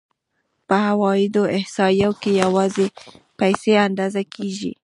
په عوایدو احصایو کې یوازې پیسې اندازه کېږي